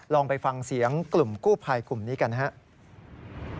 ลองไปฟังเสียงกลุ่มกู้ภัยกลุ่มนี้กันนะครับ